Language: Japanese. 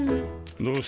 どうした？